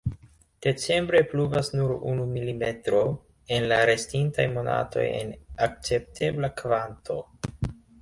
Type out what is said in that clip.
Decembre pluvas nur unu mm, en la restintaj monatoj en akceptebla kvanto.